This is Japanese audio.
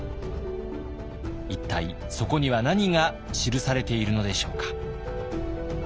一体そこには何が記されているのでしょうか。